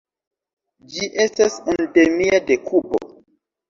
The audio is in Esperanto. Ĝi estas endemia de Kubo.